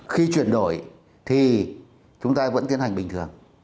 khi chuyển đổi thì chúng ta vẫn tiến hành bình thường